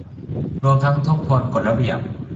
รวมทั้งทบทวนกฎระเบียบ